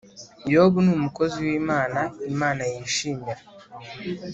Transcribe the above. Yobu ni umukozi wimana imana yishimira